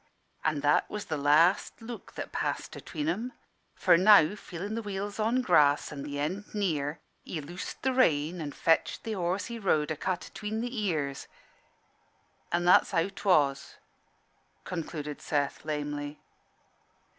"An' that was the last look that passed atween 'em. For now feeling the wheels on grass and the end near, he loosed the rein and fetched the horse he rode a cut atween the ears an' that's how 'twas," concluded Seth, lamely.